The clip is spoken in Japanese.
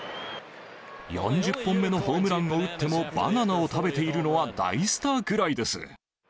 ４０本目のホームランを打ってもバナナを食べているのは大スターぐらいです。